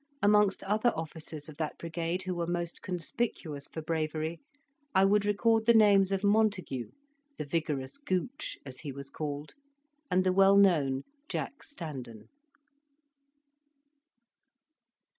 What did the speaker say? Amongst other officers of that brigade who were most conspicuous for bravery, I would record the names of Montague, the "vigorous Gooch," as he was called, and the well known Jack Standen.